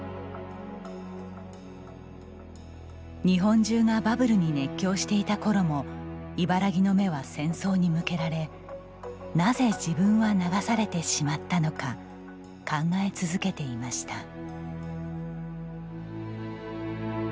日本中がバブルに熱狂していた頃も茨木の目は戦争に向けられ「なぜ自分は流されてしまったのか」考え続けていました。